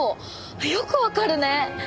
よくわかるね。